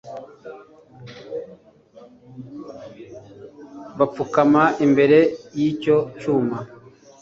bapfukama imbere y'icyo cyuma